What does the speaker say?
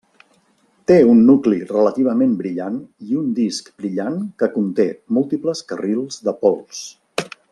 Té un nucli relativament brillant i un disc brillant que conté múltiples carrils de pols.